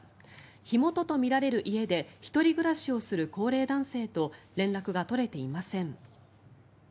火元とみられる家で１人暮らしをする高齢男性と連絡が取れていません。